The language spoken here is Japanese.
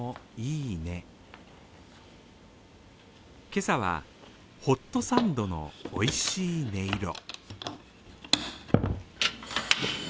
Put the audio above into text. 今朝はホットサンドのおいしい音色。